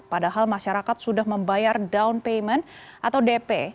padahal masyarakat sudah membayar down payment atau dp